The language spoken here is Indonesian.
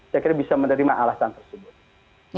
saya kira bisa menerima alasan tersebut